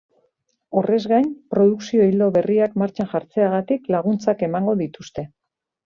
Horrez gain, produkzio ildo berriak martxan jartzeagatik laguntzak emango dituzte.